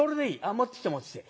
持ってきて持ってきて。